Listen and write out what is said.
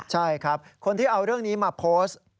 ใช่ครับคนที่เอาเรื่องนี้มาโพสต์